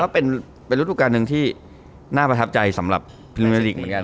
ก็เป็นฤดูการหนึ่งที่น่าประทับใจสำหรับพรีเมอร์ลีกเหมือนกัน